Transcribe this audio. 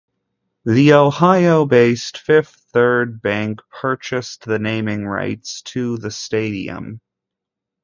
The Ohio-based Fifth Third Bank purchased the naming rights to the stadium.